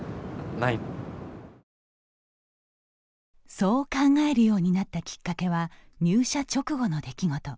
そう考えるようになったきっかけは入社直後の出来事。